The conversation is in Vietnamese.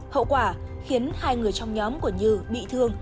hậu quả khiến hai người trong nhóm của nhừ bị thương